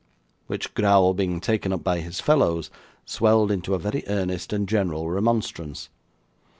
Which growl being taken up by his fellows, swelled into a very earnest and general remonstrance.